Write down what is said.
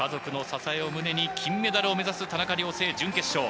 家族の支えを胸に金メダルを目指す田中亮明。